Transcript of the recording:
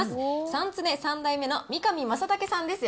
三恒３代目の三上正剛さんです。